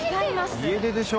家出でしょ？